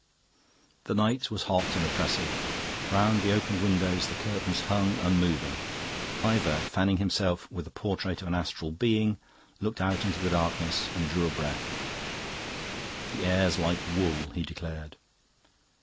The night was hot and oppressive. Round the open windows the curtains hung unmoving. Ivor, fanning himself with the portrait of an Astral Being, looked out into the darkness and drew a breath. "The air's like wool," he declared.